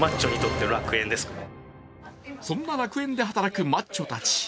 そんな楽園で働くマッチョたち。